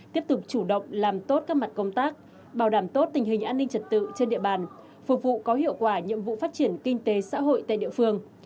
tiếp tục chủ động làm tốt các mặt công tác bảo đảm tốt tình hình an ninh trật tự trên địa bàn phục vụ có hiệu quả nhiệm vụ phát triển kinh tế xã hội tại địa phương